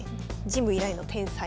神武以来の天才。